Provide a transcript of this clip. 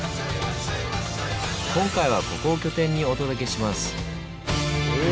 今回はここを拠点にお届けします。